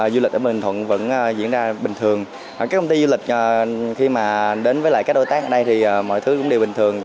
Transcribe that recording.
du lịch ở bình thuận vẫn diễn ra bình thường các công ty du lịch khi mà đến với lại các đối tác ở đây thì mọi thứ cũng đều bình thường